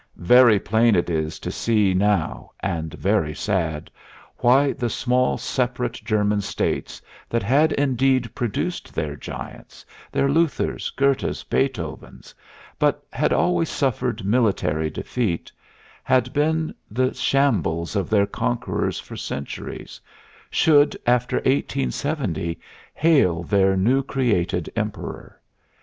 Very plain it is to see now, and very sad, why the small separate German states that had indeed produced their giants their Luthers, Goethes, Beethovens but had always suffered military defeat, had been the shambles of their conquerors for centuries, should after 1870 hail their new created Emperor.